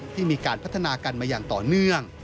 ที่มีการพัฒนากันมาอย่างต่อเนื่อง